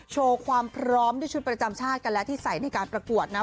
โชว์ความพร้อมด้วยชุดประจำชาติกันแล้วที่ใส่ในการประกวดนะ